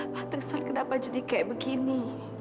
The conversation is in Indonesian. pak tristan kenapa jadi kayak begini